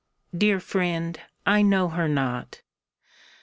dear friend, I know her not.